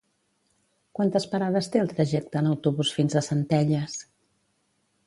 Quantes parades té el trajecte en autobús fins a Centelles?